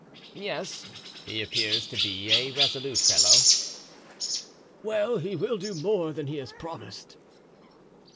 "Yes; he appears to be a resolute fellow." "Well, he will do more than he has promised."